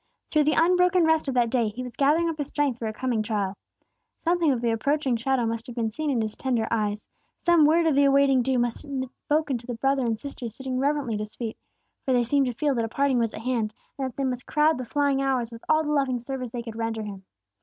Through the unbroken rest of that day He was gathering up His strength for a coming trial. Something of the approaching shadow may have been seen in His tender eyes; some word of the awaiting doom may have been spoken to the brother and sisters sitting reverently at his feet, for they seemed to feel that a parting was at hand, and that they must crowd the flying hours with all the loving service they could render Him.